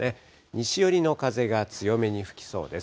西寄りの風が強めに吹きそうです。